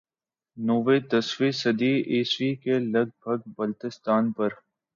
نویں دسویں صدی عیسوی کے لگ بھگ بلتستان پر